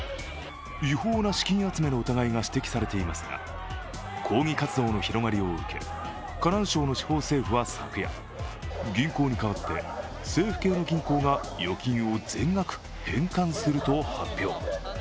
違法な資金集めの疑いが指摘されていますが、抗議活動の広がりを受け、河南省の地方政府は昨夜銀行に代わって政府系の銀行が預金を全額返還すると発表。